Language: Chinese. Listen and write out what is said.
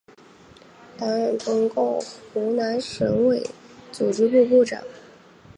担任中共湖南省委组织部部长。